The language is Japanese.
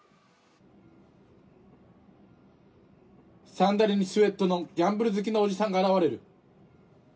「サンダルにスウェットのギャンブル好きのおじさんが現れる」